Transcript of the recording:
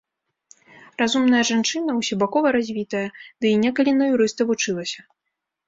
Разумная жанчына, усебакова развітая, ды і некалі на юрыста вучылася.